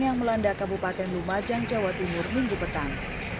yang melanda kabupaten lumajang jawa timur minggu petang